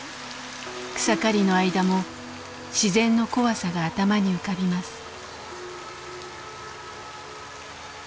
草刈りの間も自然の怖さが頭に浮かびます。